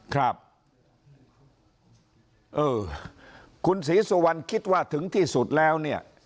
ครับเออคุณศรีสุวรรณคิดว่าถึงที่สุดแล้วเนี่ย